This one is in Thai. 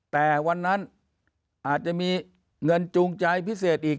แต่วันนั้นอาจจะมีเงินจูงใจพิเศษอีก